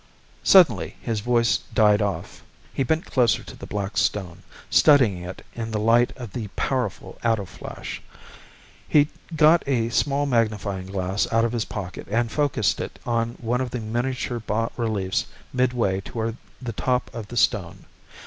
Suddenly his voice died off. He bent closer to the black stone, studying it in the light of the powerful ato flash. He got a small magnifying glass out of his pocket and focused it on one of the miniature bas reliefs midway toward the top of the stone.